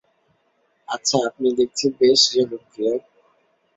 আচ্ছা, আপনি দেখছি বেশ জনপ্রিয়।